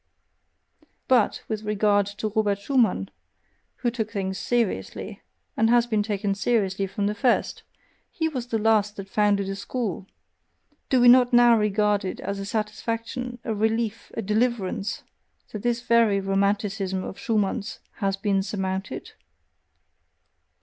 But with regard to Robert Schumann, who took things seriously, and has been taken seriously from the first he was the last that founded a school, do we not now regard it as a satisfaction, a relief, a deliverance, that this very Romanticism of Schumann's has been surmounted?